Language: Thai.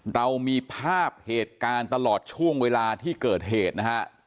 เรามีภาพเหตุการณ์ตลอดช่วงเวลาที่เกิดเหตุนะฮะ